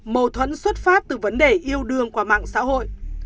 mâu thuẫn xuất phát từ vấn đề yêu đương qua mạng xã hội